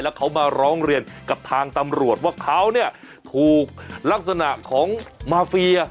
เขามาร้องเรียนกับทางตำรวจว่าเขาเนี่ยถูกลักษณะของมาเฟีย